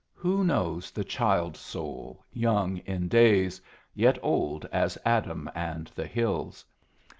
Who knows the child soul, young in days, yet old as Adam and the hills?